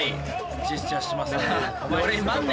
ジェスチャーしてますね。